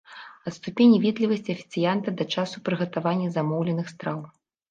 Ад ступені ветлівасці афіцыянта да часу прыгатавання замоўленых страў.